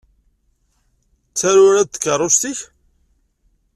D taruradt tkeṛṛust-ik?